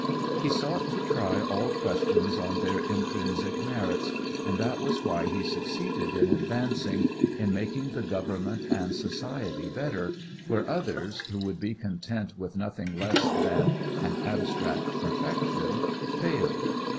He sought to try all questions on their intrinsic merits, and that was why he succeeded in advancing, in making government and society better, where others, who would be content with nothing less than an abstract perfection, failed.